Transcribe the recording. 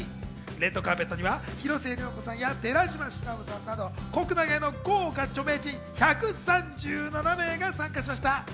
レッドカーペットには広末涼子さんや寺島しのぶさんなど、国内外の豪華著名人１３７名が参加しました。